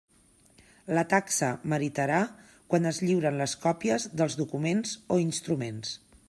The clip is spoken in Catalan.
La taxa meritarà quan es lliuren les còpies dels documents o instruments.